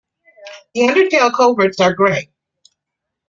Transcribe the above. The undertail coverts are gray.